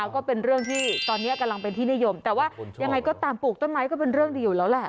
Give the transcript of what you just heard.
ก็เป็นเรื่องที่ตอนนี้กำลังเป็นที่นิยมแต่ว่ายังไงก็ตามปลูกต้นไม้ก็เป็นเรื่องดีอยู่แล้วแหละ